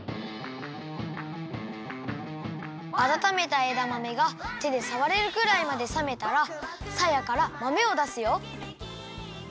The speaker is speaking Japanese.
あたためたえだまめがてでさわれるくらいまでさめたらさやからまめをだすよ。